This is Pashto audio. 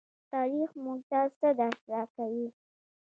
تاریخ موږ ته څه درس راکوي؟